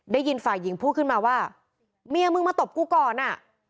ได้ยินฝ่ายหญิงพูดขึ้นมาว่าเมียมึงมาตบกูก่อนอ่ะ